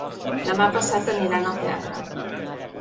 Demà passat aniran al teatre.